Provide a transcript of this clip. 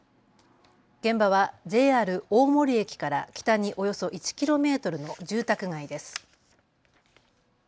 現場はＪＲ大森駅から北におよそ１キロメートルの住宅街です。